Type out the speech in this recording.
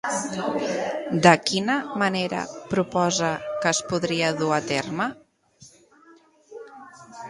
De quina manera proposa que es podria dur a terme?